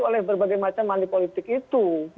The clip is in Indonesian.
oleh berbagai macam mandi politik itu